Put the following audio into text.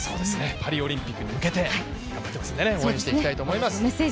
パリオリンピックに向けて、頑張ってますので応援したいと思います。